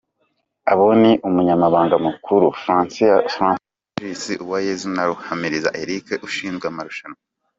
Abo ni Umunyamabanga Mukuru, François Regis Uwayezu na Ruhamiriza Eric ushinzwe amarushanwa.